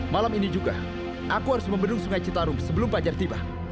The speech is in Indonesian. malam ini juga aku harus membendung sungai citarum sebelum fajar tiba